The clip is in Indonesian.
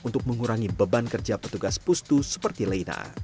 untuk mengurangi beban kerja petugas pustu seperti leina